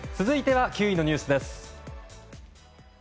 続いては９位のニュースです。